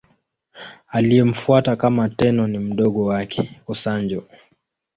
Aliyemfuata kama Tenno ni mdogo wake, Go-Sanjo.